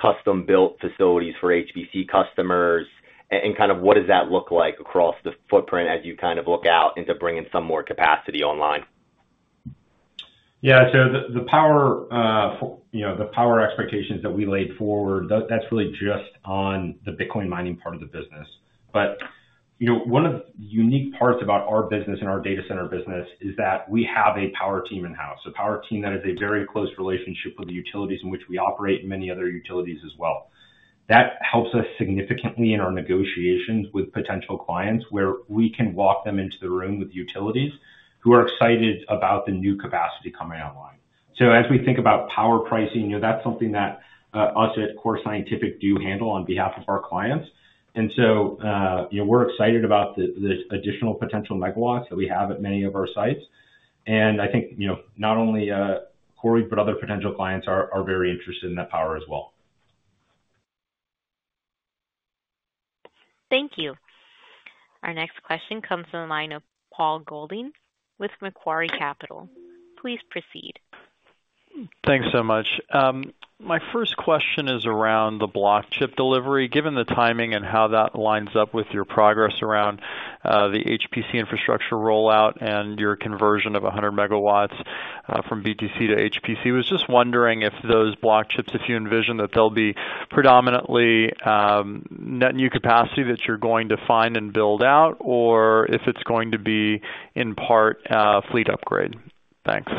custom-built facilities for HPC customers? And kind of what does that look like across the footprint as you kind of look out into bringing some more capacity online? Yeah. So the power expectations that we laid forward, that's really just on the Bitcoin mining part of the business. But one of the unique parts about our business and our data center business is that we have a power team in-house. A power team that has a very close relationship with the utilities in which we operate and many other utilities as well. That helps us significantly in our negotiations with potential clients where we can walk them into the room with utilities who are excited about the new capacity coming online. So as we think about power pricing, that's something that us at Core Scientific do handle on behalf of our clients. And so we're excited about the additional potential megawatts that we have at many of our sites. And I think not only CoreWeave, but other potential clients are very interested in that power as well. Thank you. Our next question comes from the line of Paul Golding with Macquarie Capital. Please proceed. Thanks so much. My first question is around the Block chip delivery. Given the timing and how that lines up with your progress around the HPC infrastructure rollout and your conversion of 100 MW from BTC to HPC, I was just wondering if those Block chips, if you envision that they'll be predominantly net new capacity that you're going to find and build out, or if it's going to be in part a fleet upgrade. Thanks.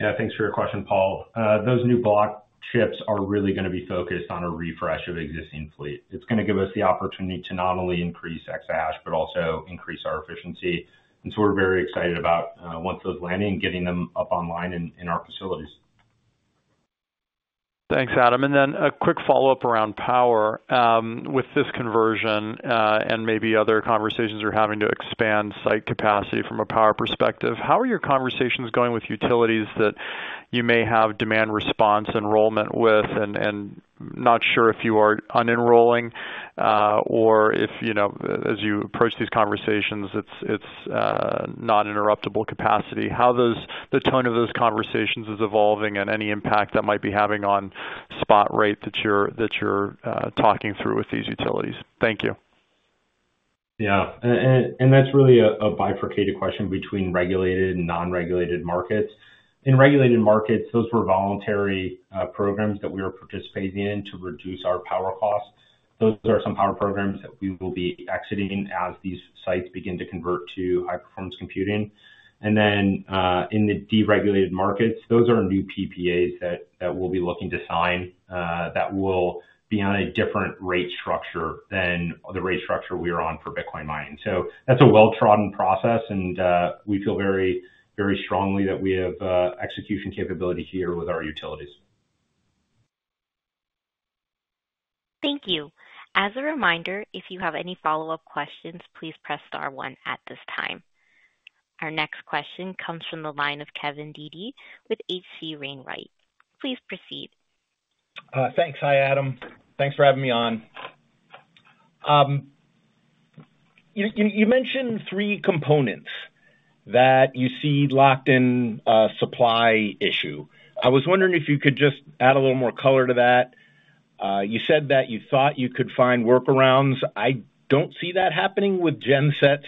Yeah. Thanks for your question, Paul. Those new Block chips are really going to be focused on a refresh of existing fleet. It's going to give us the opportunity to not only increase exahash, but also increase our efficiency. And so we're very excited about once those land and getting them up online in our facilities. Thanks, Adam. And then a quick follow-up around power. With this conversion and maybe other conversations you're having to expand site capacity from a power perspective, how are your conversations going with utilities that you may have demand response enrollment with and not sure if you are unenrolling or if, as you approach these conversations, it's non-interruptible capacity? How the tone of those conversations is evolving and any impact that might be having on spot rate that you're talking through with these utilities? Thank you. Yeah. And that's really a bifurcated question between regulated and non-regulated markets. In regulated markets, those were voluntary programs that we were participating in to reduce our power costs. Those are some power programs that we will be exiting as these sites begin to convert to high-performance computing. And then in the deregulated markets, those are new PPAs that we'll be looking to sign that will be on a different rate structure than the rate structure we are on for Bitcoin mining. So that's a well-trodden process, and we feel very strongly that we have execution capability here with our utilities. Thank you. As a reminder, if you have any follow-up questions, please press star one at this time. Our next question comes from the line of Kevin Dede with H.C. Wainwright. Please proceed. Thanks. Hi, Adam. Thanks for having me on. You mentioned three components that you see locked in a supply issue. I was wondering if you could just add a little more color to that. You said that you thought you could find workarounds. I don't see that happening with gensets.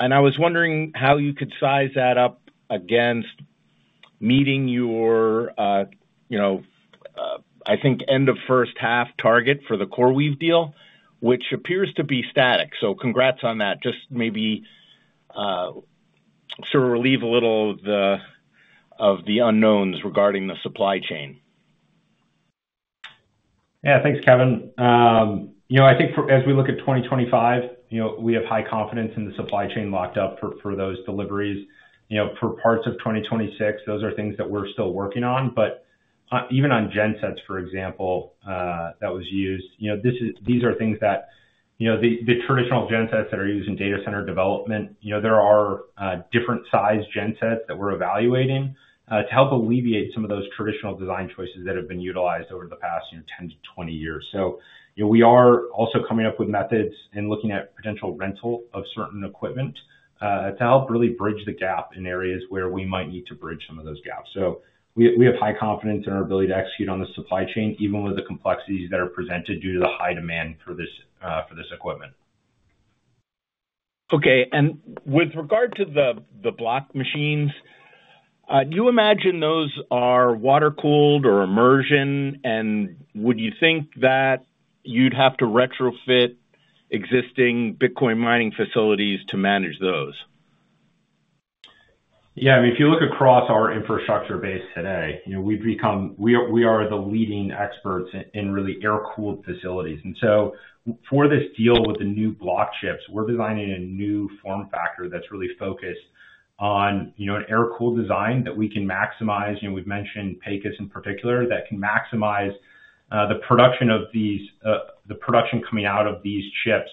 And I was wondering how you could size that up against meeting your, I think, end of first half target for the CoreWeave deal, which appears to be static. So congrats on that. Just maybe sort of relieve a little of the unknowns regarding the supply chain. Yeah. Thanks, Kevin. I think as we look at 2025, we have high confidence in the supply chain locked up for those deliveries. For parts of 2026, those are things that we're still working on. But even on gensets, for example, that was used, these are things that the traditional gensets that are used in data center development, there are different size gensets that we're evaluating to help alleviate some of those traditional design choices that have been utilized over the past 10 to 20 years. So we are also coming up with methods and looking at potential rental of certain equipment to help really bridge the gap in areas where we might need to bridge some of those gaps. So we have high confidence in our ability to execute on the supply chain, even with the complexities that are presented due to the high demand for this equipment. Okay. And with regard to the Block machines, do you imagine those are water-cooled or immersion? And would you think that you'd have to retrofit existing Bitcoin mining facilities to manage those? Yeah. I mean, if you look across our infrastructure base today, we are the leading experts in really air-cooled facilities. And so for this deal with the new Block chips, we're designing a new form factor that's really focused on an air-cooled design that we can maximize. We've mentioned Pecos in particular that can maximize the production coming out of these chips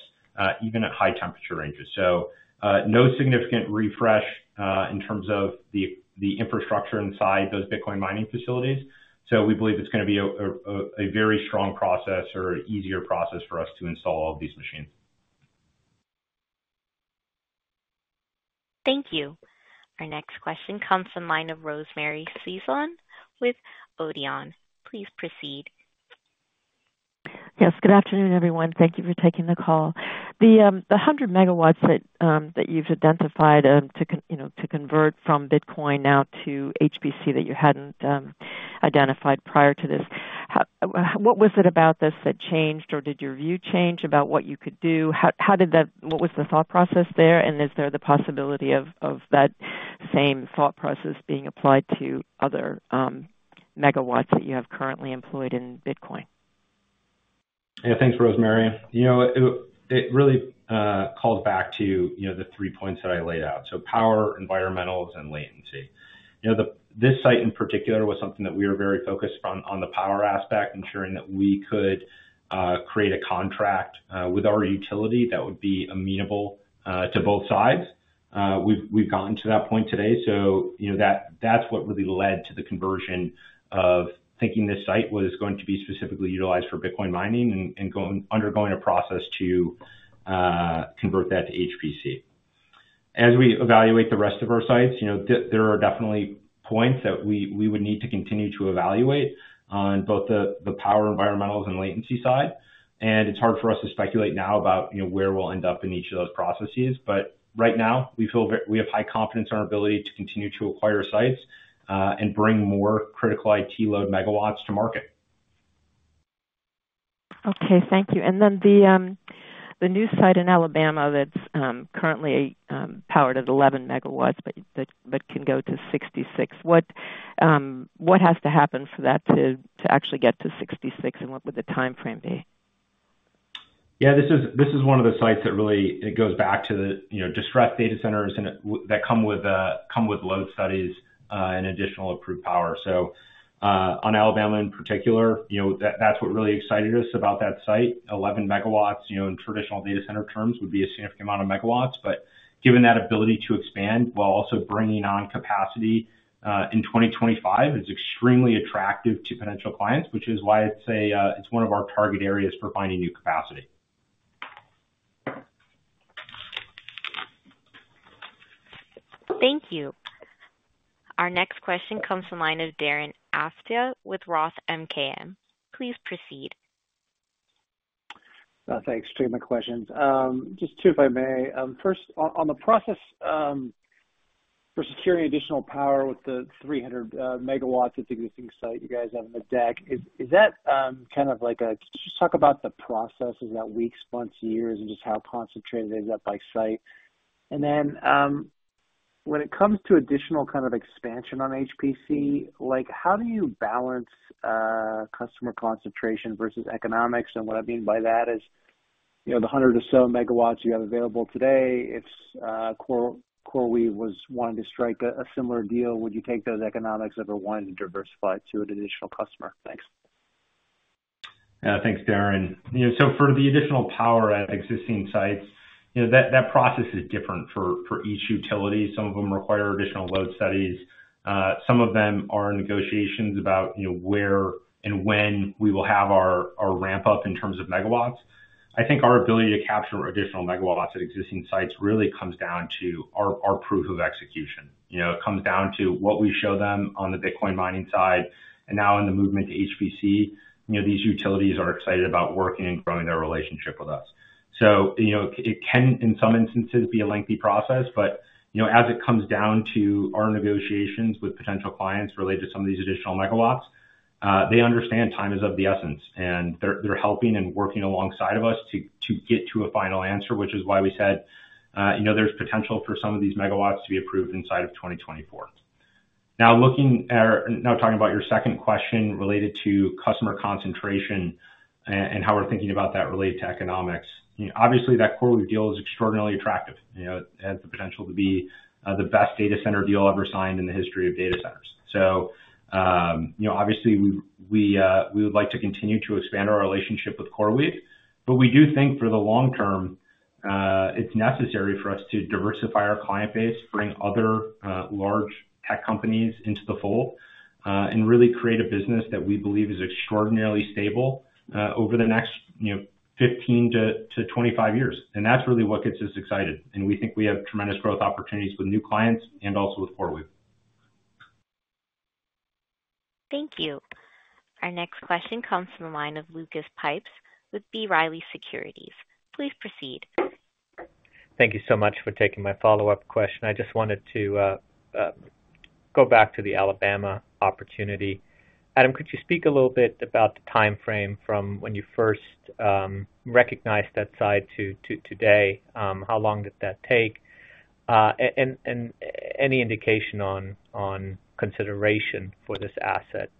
even at high temperature ranges. So no significant refresh in terms of the infrastructure inside those Bitcoin mining facilities. So we believe it's going to be a very strong process or an easier process for us to install all of these machines. Thank you. Our next question comes from the line of Rosemary Sisson with Odeon. Please proceed. Yes. Good afternoon, everyone. Thank you for taking the call. The 100 MW that you've identified to convert from Bitcoin now to HPC that you hadn't identified prior to this, what was it about this that changed, or did your view change about what you could do? What was the thought process there? And is there the possibility of that same thought process being applied to other megawatts that you have currently employed in Bitcoin? Yeah. Thanks, Rosemary. It really calls back to the three points that I laid out. So power, environmentals, and latency. This site in particular was something that we were very focused on, on the power aspect, ensuring that we could create a contract with our utility that would be amenable to both sides. We've gotten to that point today. So that's what really led to the conversion of thinking this site was going to be specifically utilized for Bitcoin mining and undergoing a process to convert that to HPC. As we evaluate the rest of our sites, there are definitely points that we would need to continue to evaluate on both the power, environmentals, and latency side. It's hard for us to speculate now about where we'll end up in each of those processes. Right now, we feel we have high confidence in our ability to continue to acquire sites and bring more critical IT load megawatts to market. Okay. Thank you. Then the new site in Alabama that's currently powered at 11 MW but can go to 66 MW. What has to happen for that to actually get to 66 MW, and what would the timeframe be? Yeah. This is one of the sites that really goes back to the distressed data centers that come with load studies and additional approved power. On Alabama in particular, that's what really excited us about that site. 11 MW in traditional data center terms would be a significant amount of megawatts. But given that ability to expand while also bringing on capacity in 2025, it's extremely attractive to potential clients, which is why it's one of our target areas for finding new capacity. Thank you. Our next question comes from the line of Darren Aftahi with Roth MKM. Please proceed. Thanks. Two questions. Just two if I may. First, on the process for securing additional power with the 300 MW at the existing site you guys have in the deck, is that kind of like. Just talk about the processes that weeks, months, years, and just how concentrated is that by site. And then when it comes to additional kind of expansion on HPC, how do you balance customer concentration versus economics? What I mean by that is the 100 or so megawatts you have available today, if CoreWeave was wanting to strike a similar deal, would you take those economics if it wanted to diversify to an additional customer? Thanks. Yeah. Thanks, Darren. For the additional power at existing sites, that process is different for each utility. Some of them require additional load studies. Some of them are negotiations about where and when we will have our ramp up in terms of megawatts. I think our ability to capture additional megawatts at existing sites really comes down to our proof of execution. It comes down to what we show them on the Bitcoin mining side. Now in the movement to HPC, these utilities are excited about working and growing their relationship with us. It can, in some instances, be a lengthy process. As it comes down to our negotiations with potential clients related to some of these additional megawatts, they understand time is of the essence. And they're helping and working alongside of us to get to a final answer, which is why we said there's potential for some of these megawatts to be approved inside of 2024. Now talking about your second question related to customer concentration and how we're thinking about that related to economics, obviously, that CoreWeave deal is extraordinarily attractive. It has the potential to be the best data center deal ever signed in the history of data centers. So obviously, we would like to continue to expand our relationship with CoreWeave. But we do think for the long term, it's necessary for us to diversify our client base, bring other large tech companies into the fold, and really create a business that we believe is extraordinarily stable over the next 15 to 25 years. And that's really what gets us excited. And we think we have tremendous growth opportunities with new clients and also with CoreWeave. Thank you. Our next question comes from the line of Lucas Pipes with B. Riley Securities. Please proceed. Thank you so much for taking my follow-up question. I just wanted to go back to the Alabama opportunity. Adam, could you speak a little bit about the timeframe from when you first recognized that site to today? How long did that take? And any indication on consideration for this asset?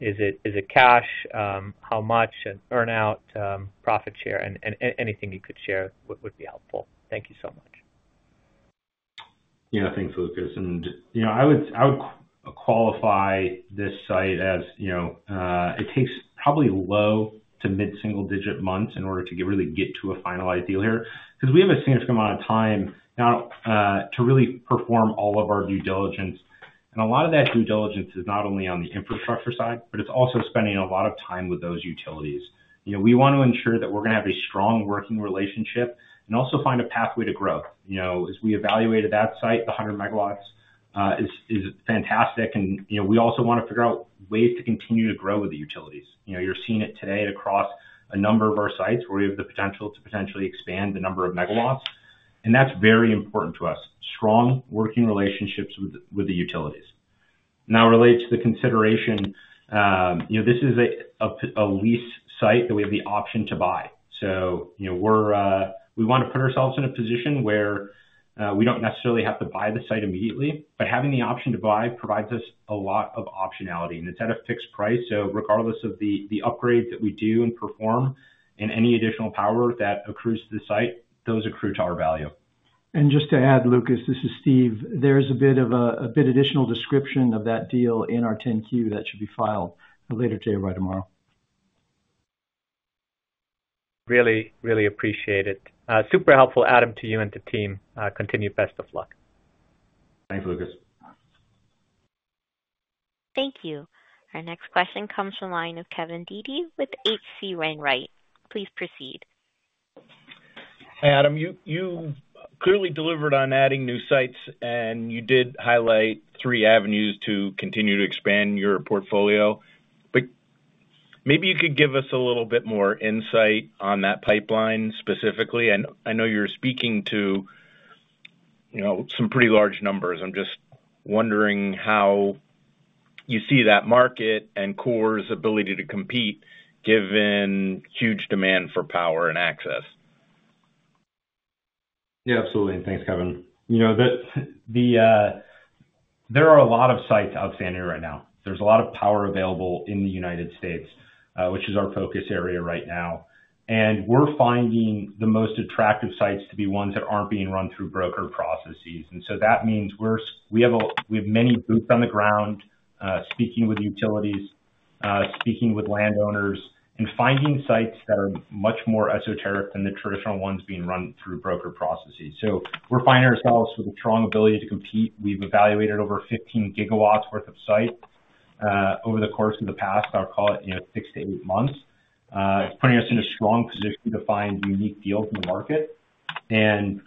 Is it cash? How much? And earnout? Profit share? And anything you could share would be helpful. Thank you so much. Yeah. Thanks, Lucas. And I would qualify this site as it takes probably low to mid-single-digit months in order to really get to a finalized deal here because we have a significant amount of time now to really perform all of our due diligence. And a lot of that due diligence is not only on the infrastructure side, but it's also spending a lot of time with those utilities. We want to ensure that we're going to have a strong working relationship and also find a pathway to growth. As we evaluated that site, the 100 MW is fantastic. And we also want to figure out ways to continue to grow with the utilities. You're seeing it today across a number of our sites where we have the potential to expand the number of megawatts. That's very important to us. Strong working relationships with the utilities. Now, related to the consideration, this is a lease site that we have the option to buy. We want to put ourselves in a position where we don't necessarily have to buy the site immediately. Having the option to buy provides us a lot of optionality. It's at a fixed price. Regardless of the upgrade that we do and perform and any additional power that accrues to the site, those accrue to our value. Just to add, Lucas, this is Steve. There's a bit additional description of that deal in our 10-Q that should be filed later today or by tomorrow. Really, really appreciate it. Super helpful, Adam, to you and the team. Continue best of luck. Thanks, Lucas. Thank you. Our next question comes from the line of Kevin Dede with H.C. Wainwright. Please proceed. Hi, Adam. You clearly delivered on adding new sites, and you did highlight three avenues to continue to expand your portfolio. But maybe you could give us a little bit more insight on that pipeline specifically. And I know you're speaking to some pretty large numbers. I'm just wondering how you see that market and Core's ability to compete given huge demand for power and access. Yeah. Absolutely. Thanks, Kevin. There are a lot of sites outstanding right now. There's a lot of power available in the United States, which is our focus area right now. And we're finding the most attractive sites to be ones that aren't being run through broker processes. And so that means we have many boots on the ground speaking with utilities, speaking with landowners, and finding sites that are much more esoteric than the traditional ones being run through broker processes. So we're finding ourselves with a strong ability to compete. We've evaluated over 15 GW worth of sites over the course of the past. I'll call it six to eight months. It's putting us in a strong position to find unique deals in the market. And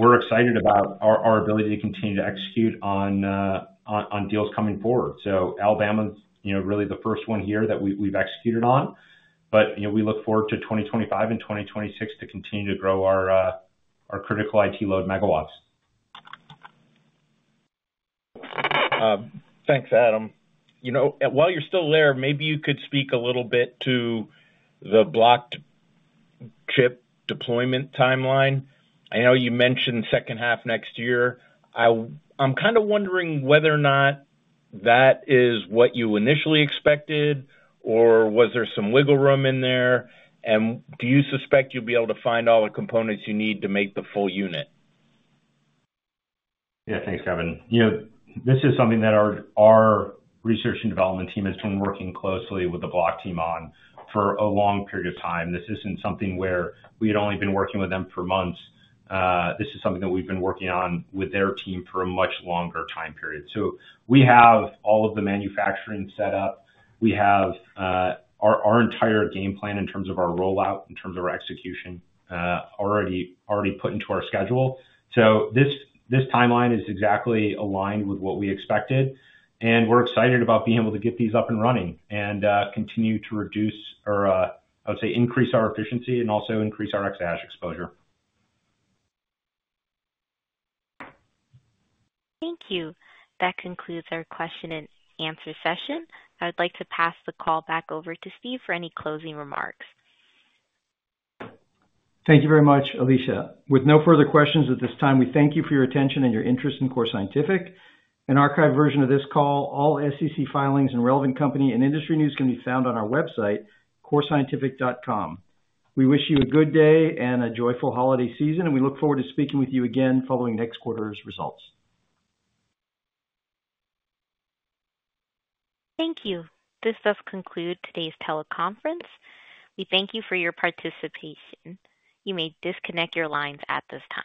we're excited about our ability to continue to execute on deals coming forward. So Alabama's really the first one here that we've executed on. But we look forward to 2025 and 2026 to continue to grow our critical IT load megawatts. Thanks, Adam. While you're still there, maybe you could speak a little bit to the Block chip deployment timeline. I know you mentioned second half next year. I'm kind of wondering whether or not that is what you initially expected, or was there some wiggle room in there? And do you suspect you'll be able to find all the components you need to make the full unit? Yeah. Thanks, Kevin. This is something that our research and development team has been working closely with the Block team on for a long period of time. This isn't something where we had only been working with them for months. This is something that we've been working on with their team for a much longer time period. So we have all of the manufacturing set up. We have our entire game plan in terms of our rollout, in terms of our execution, already put into our schedule. So this timeline is exactly aligned with what we expected. We're excited about being able to get these up and running and continue to reduce or, I would say, increase our efficiency and also increase our exahash exposure. Thank you. That concludes our question and answer session. I would like to pass the call back over to Steve for any closing remarks. Thank you very much, Alicia. With no further questions at this time, we thank you for your attention and your interest in Core Scientific. An archived version of this call, all SEC filings, and relevant company and industry news can be found on our website, coresci.com. We wish you a good day and a joyful holiday season, and we look forward to speaking with you again following next quarter's results. Thank you. This does conclude today's teleconference. We thank you for your participation. You may disconnect your lines at this time.